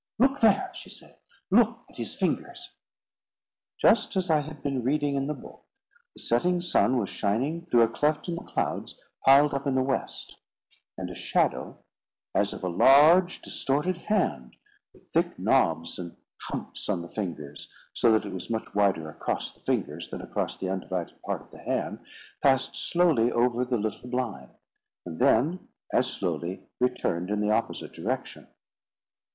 "Look there!" she said; "look at his fingers!" Just as I had been reading in the book, the setting sun was shining through a cleft in the clouds piled up in the west; and a shadow as of a large distorted hand, with thick knobs and humps on the fingers, so that it was much wider across the fingers than across the undivided part of the hand, passed slowly over the little blind, and then as slowly returned in the opposite direction.